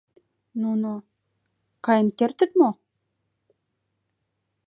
— Нуно... каен кертыт мо?